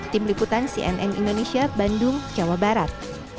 tim liputan cnn indonesia bandung jawa barat